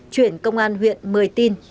chuyển công an huyện một mươi tin